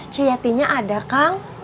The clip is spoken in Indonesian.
ce yatinya ada kang